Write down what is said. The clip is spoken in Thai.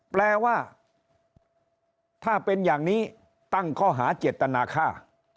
แปลว่าถ้าเป็นอย่างนี้ตั้งข้อหาเจตนาค่า